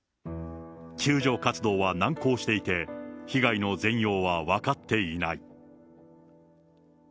救助活動は難航していて、被害の全容は分かっていない。